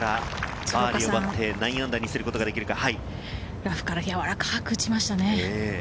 鶴岡さん、ラフからやわらかく打ちましたね。